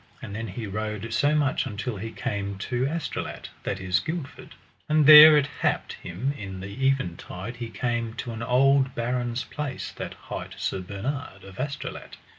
And then he rode so much until he came to Astolat, that is Guildford; and there it happed him in the eventide he came to an old baron's place that hight Sir Bernard of Astolat.